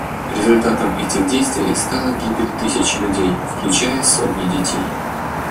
Результатом этих действий стала гибель тысяч людей, включая сотни детей.